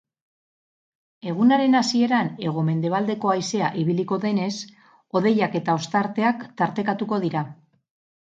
Egunaren hasieran hego-mendebaldeko haizea ibiliko denez, hodeiak eta ostarteak tartekatuko dira.